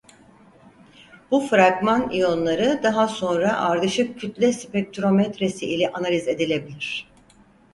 Bu fragman iyonları daha sonra ardışık kütle spektrometresi ile analiz edilebilir.